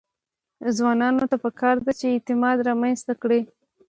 ځوانانو ته پکار ده چې، اعتماد رامنځته کړي.